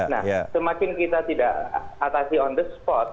nah semakin kita tidak atasi on the spot